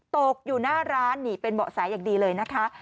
ตกอยู่หน้าร้านนี่เป็นเบาะแสอย่างดีเลยนะคะ